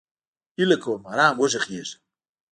هیله کوم! ارام وغږیږه!